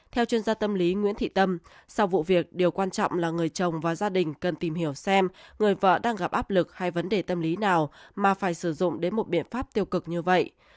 theo chuyên gia tâm lý nguyễn thị tâm sau vụ việc điều quan trọng là người chồng và gia đình cần tìm hiểu xem người vợ đang gặp áp lực hay vấn đề tâm lý nào mà phải sử dụng đến một biện pháp tiêu cực như vậy